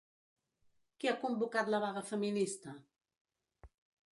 Qui ha convocat la vaga feminista?